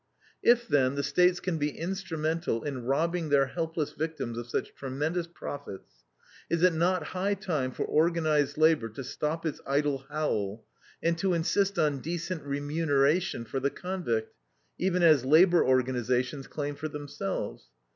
If, then, the States can be instrumental in robbing their helpless victims of such tremendous profits, is it not high time for organized labor to stop its idle howl, and to insist on decent remuneration for the convict, even as labor organizations claim for themselves?